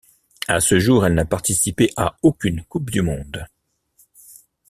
À ce jour, elle n'a participé à aucune Coupe du monde.